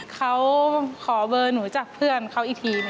เขาขอเบอร์หนูจากเพื่อนเขาอีกที